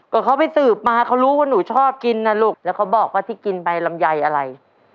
ก็เขาไปสืบมาเขารู้ว่าหนูชอบกินนะลูกแล้วเขาบอกว่าที่กินใบลำไยอะไร